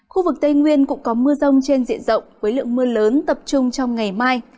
khu vực tây nguyên cũng có mưa rông trên diện rộng với lượng mưa lớn tập trung trong ngày mai